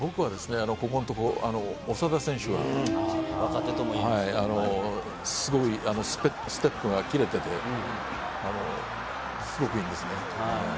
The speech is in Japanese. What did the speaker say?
ここのとこ、長田選手が、すごいステップが切れてて、すごくいいんですね。